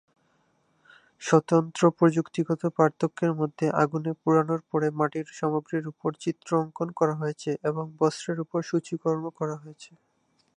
স্বতন্ত্র প্রযুক্তিগত পার্থক্যের মধ্যে আগুনে পোড়ানোর পরে মাটির সামগ্রীর উপর চিত্র অঙ্কন করা হয়েছে, এবং বস্ত্রের উপর সূচিকর্ম করা হয়েছে।